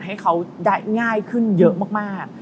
ให้เขาได้ง่ายขึ้นเยอะมาก